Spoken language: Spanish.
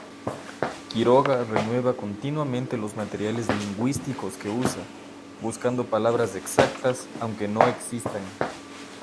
Quiroga renueva continuamente los materiales lingüísticos que usa, buscando palabras exactas aunque no existan.